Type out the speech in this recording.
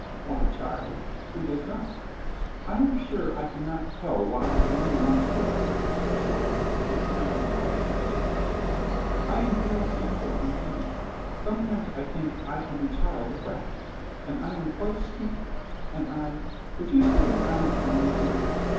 "Why, child, who does not?" "I am sure I can not tell why any one should," said Joy, with melancholy satisfaction. "I am very sinful indeed. Sometimes I think I am a child of wrath. And I am quite stupid. And I — would you say that I am comely, Joan?"